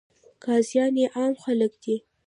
قاضیان یې عام خلک دي.